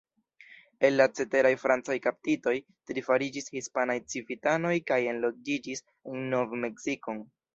El la ceteraj francaj kaptitoj, tri fariĝis hispanaj civitanoj kaj enloĝiĝis en Nov-Meksikon.